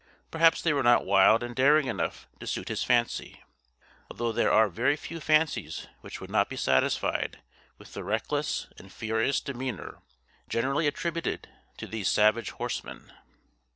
Perhaps they were not wild and daring enough to suit his fancy, although there are very few fancies which would not be satisfied with the reckless and furious demeanor generally attributed to these savage horsemen.